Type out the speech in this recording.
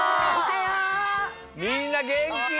みんなげんき。